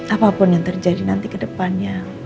apapun yang terjadi nanti ke depannya